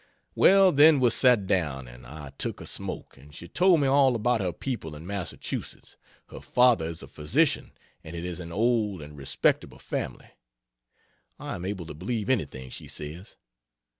Well, then we sat down, and I took a smoke, and she told me all about her people in Massachusetts her father is a physician and it is an old and respectable family (I am able to believe anything she says.)